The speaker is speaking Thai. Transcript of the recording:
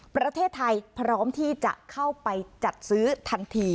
ประเทศไทยพร้อมที่จะเข้าไปจัดซื้อทันที